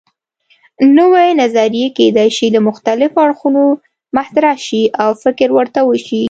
نوې نظریې کیدای شي له مختلفو اړخونو مطرح شي او فکر ورته وشي.